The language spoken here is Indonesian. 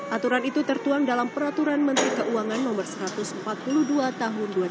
aturan itu tertuang dalam peraturan menteri keuangan no satu ratus empat puluh dua tahun dua ribu dua puluh